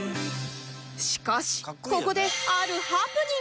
しかしここで